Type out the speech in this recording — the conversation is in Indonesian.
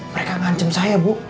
mereka ngancem saya bu